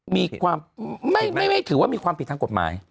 ไม่ถือว่ามีความผิดทั้งกฎหมาย